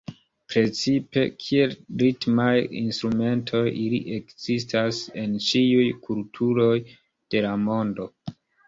Precipe kiel ritmaj instrumentoj ili ekzistas en ĉiuj kulturoj de la mondo.